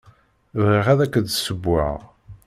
Bɣiɣ ad ak-d-ssewweɣ.